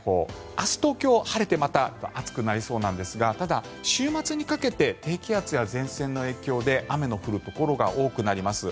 明日、東京晴れてまた暑くなりそうなんですがただ、週末にかけて低気圧や前線の影響で雨の降るところが多くなります。